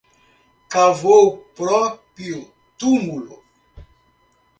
Cavou o próprio túmulo